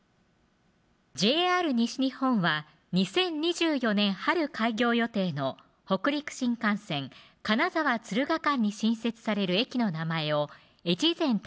ＪＲ西日本は２０２４年春開業予定の北陸新幹線金沢敦賀間に新設される駅の名前を越前たけふに決定しました